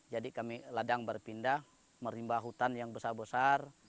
jadi kami ladang berpindah merimbah hutan yang besar besar